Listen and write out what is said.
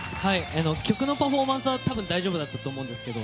曲のパフォーマンスは多分大丈夫だったと思うんですけど